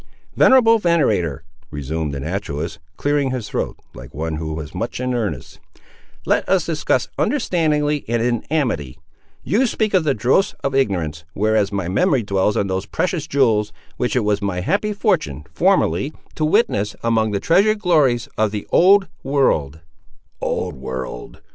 "Venerable venator," resumed the naturalist, clearing his throat, like one who was much in earnest, "let us discuss understandingly and in amity. You speak of the dross of ignorance, whereas my memory dwells on those precious jewels, which it was my happy fortune, formerly, to witness, among the treasured glories of the Old World." "Old World!"